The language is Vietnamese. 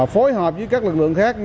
phối hợp với các lực lượng khác